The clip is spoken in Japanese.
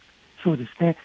そうですね。